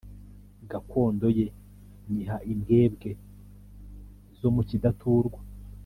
gakondo ye nyiha imbwebwe zo mu kidaturwa.”